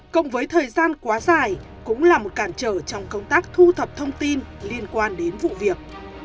cộng với thời gian quá dài cũng là một cản trở trong công tác thu thập thông tin liên quan đến vụ việc